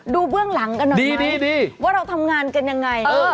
เบื้องหลังกันหน่อยสิว่าเราทำงานกันยังไง